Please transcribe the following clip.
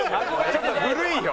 ちょっと古いよ。